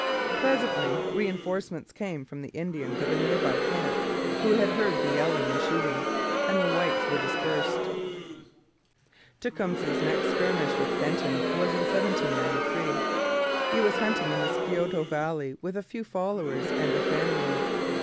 Presently reinforcements came from the Indians of a nearby camp who had heard the yelling and shooting; and the whites were dispersed. Tecumseh's next skirmish with Kenton was in 1793. He was hunting in the Scioto valley with a few followers and their families.